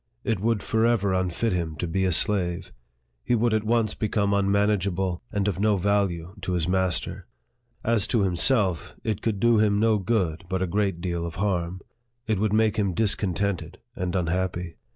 It would forever unfit him to be a slave. He would at once become unmanageable, and of no value to his master. As to himself, it could do him no good, but a great deal of harm. It would make him discontented and unhappy."